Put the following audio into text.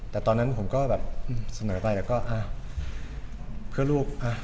แต่ตอนนั้นผมก็แบบเสนอไปแล้วก็เพื่อลูก